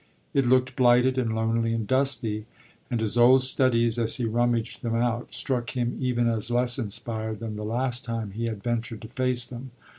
It looked blighted and lonely and dusty, and his old studies, as he rummaged them out, struck him even as less inspired than the last time he had ventured to face them.